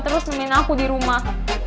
terus nemin aku di rumah